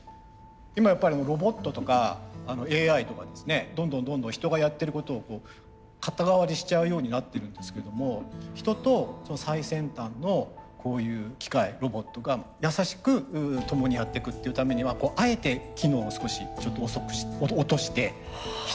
今やっぱりロボットとかＡＩとかですねどんどんどんどん人がやってることを肩代わりしちゃうようになってるんですけども人と最先端のこういう機械ロボットが優しく共にやってくっていうためにはあえて機能を少しちょっと落として人が入り込む余地を作るっていう。